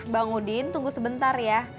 bang udin tunggu sebentar ya